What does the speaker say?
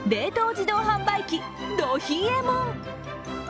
自動販売機、ど冷えもん！